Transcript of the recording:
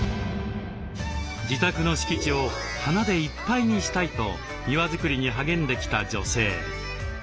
自宅の敷地を花でいっぱいにしたいと庭づくりに励んできた女性。